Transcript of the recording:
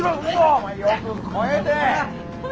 お前よく肥えて。